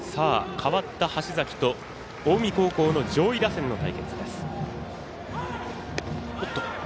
代わった橋崎と近江高校上位打線の対戦です。